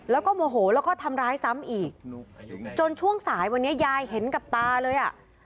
แล้วก็โมโหแล้วก็ทำร้ายซ้ำอีกจนช่วงสายวันนี้ยายเห็นกับตาเลยอ่ะ